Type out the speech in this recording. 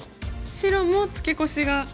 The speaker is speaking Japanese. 白もツケコシが。